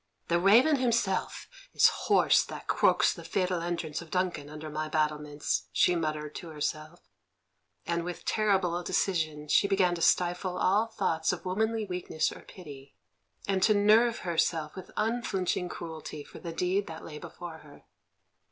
"The raven himself is hoarse that croaks the fatal entrance of Duncan under my battlements," she muttered to herself; and with terrible decision she began to stifle all thoughts of womanly weakness or pity, and to nerve herself with unflinching cruelty for the deed that lay before her.